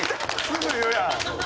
すぐ言うやん！